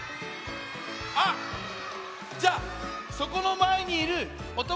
あっじゃあそこのまえにいるおとこのこ。